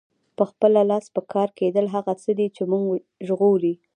په خپله لاس پکار کیدل هغه څه دي چې مونږ ژغوري.